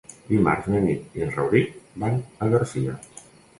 Dimarts na Nit i en Rauric van a Garcia.